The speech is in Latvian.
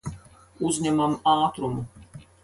Uzņemam ātrumu.